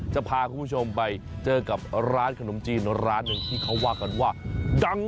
จะพาคุณผู้ชมไปเจอกับร้านขนมจีนร้านหนึ่งที่เขาว่ากันว่าดัง